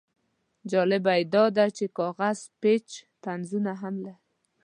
جالبه یې دا دی چې کاغذ پیچ طنزونه هم لري.